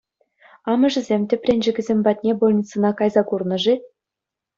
Амӑшӗсем тӗпренчӗкӗсем патне больницӑна кайса курнӑ-ши?